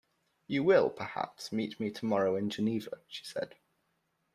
"You will, perhaps, meet me tomorrow in Geneva," she said.